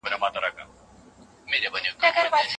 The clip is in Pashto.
افغان ډاکټران خپلواکي سیاسي پریکړي نه سي کولای.